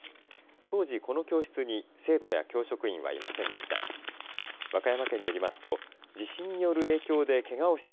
当時、この教室に生徒や教職員はいませんでした。